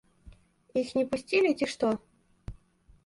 Іх не пусцілі ці што?